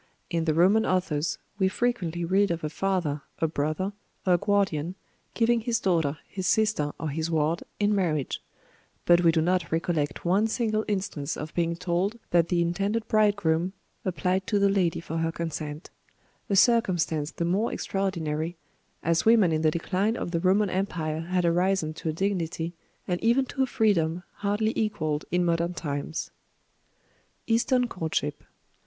In the Roman authors, we frequently read of a father, a brother, or a guardian, giving his daughter, his sister, or his ward, in marriage; but we do not recollect one single instance of being told that the intended bridegroom applied to the lady for her consent; a circumstance the more extraordinary, as women in the decline of the Roman empire had arisen to a dignity, and even to a freedom hardly equalled in modern times. EASTERN COURTSHIP.